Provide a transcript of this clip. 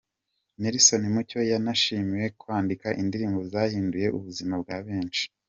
Nelson Mucyo yashimiwe kwandika indirimbo zahinduye ubuzima bwa benshi.